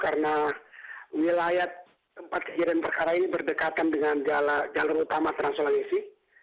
karena wilayah tempat kejadian perkara ini berdekatan dengan jalur utama transolensi